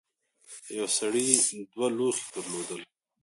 یو سړي دوه لوښي درلودل.